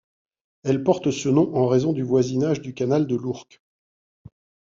Elle porte ce nom en raison du voisinage du canal de l'Ourcq.